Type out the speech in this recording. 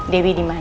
dewi di mana